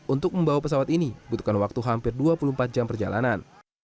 untuk membawa pesawat ini butuhkan waktu hampir dua puluh empat jam perjalanan